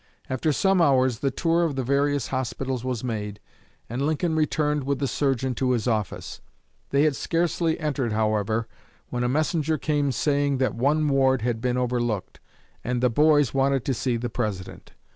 After some hours the tour of the various hospitals was made, and Lincoln returned with the surgeon to his office. They had scarcely entered, however, when a messenger came saying that one ward had been overlooked, and "the boys" wanted to see the President.